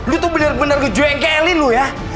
lo jangan keju engkelin lo ya